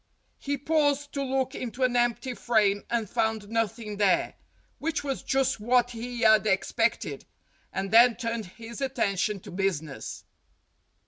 He paused to look into an empty frame and found nothing there, which was just what he had expected, and then turned his attention to business.